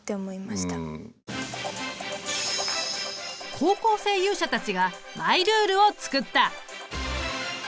高校生勇者たちがマイルールを作った。